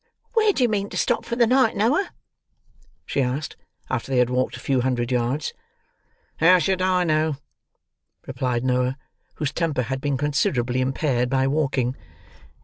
"Where do you mean to stop for the night, Noah?" she asked, after they had walked a few hundred yards. "How should I know?" replied Noah, whose temper had been considerably impaired by walking.